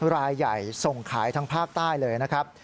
รายใหญ่ส่งขายทั้งภาคใต้เลยนะครับ